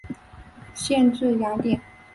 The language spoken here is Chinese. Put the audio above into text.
县治雅典。